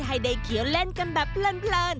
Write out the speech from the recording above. ให้ได้เขียวเล่นกันแบบเพลิน